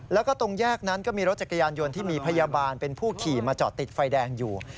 แล้วก็ตรงแยกนั้นก็มีรถจักรยานยนต์ที่มีพยาบาลเป็นผู้ขี่มาจอดติดไฟแดงอยู่